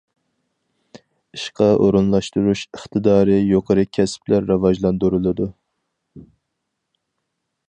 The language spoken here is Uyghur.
ئىشقا ئورۇنلاشتۇرۇش ئىقتىدارى يۇقىرى كەسىپلەر راۋاجلاندۇرۇلىدۇ.